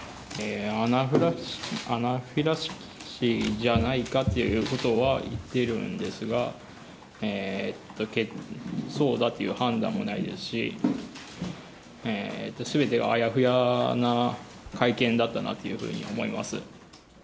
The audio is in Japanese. アナフィラキシーじゃないかということは言っているんですが、そうだという判断もないですし、すべてがあやふやな会見だったなというふうに思います。